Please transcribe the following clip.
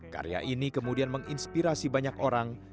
karya ini kemudian menginspirasi banyak orang